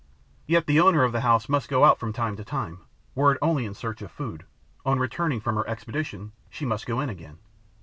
Yet the owner of the house must go out from time to time, were it only in search of food; on returning from her expedition, she must go in again.